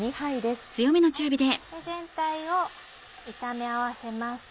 全体を炒め合わせます。